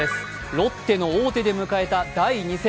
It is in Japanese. ロッテの王手で迎えた第２戦。